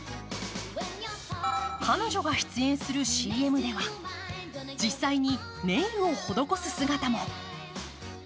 彼女が出演するＣＭでは実際にネイルを施す姿も。